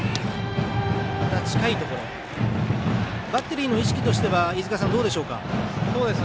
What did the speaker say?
バッテリーの意識としては飯塚さん、どうでしょうか？